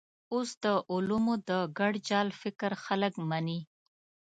اوس د علومو د ګډ جال فکر خلک مني.